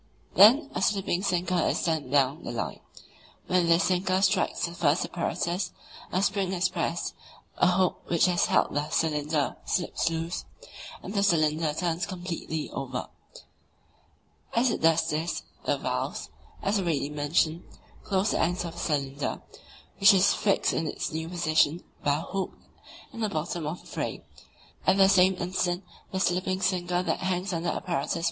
Then a slipping sinker is sent down the line. When this sinker strikes the first apparatus, a spring is pressed, a hook (e) which has held the cylinder slips loose, and the cylinder turns completely over (Apparatus I.). As it does this, the valves, as already mentioned, close the ends of the cylinder, which is fixed in its new position by a hook in the bottom of the frame. At the same instant the slipping sinker that hangs under Apparatus I.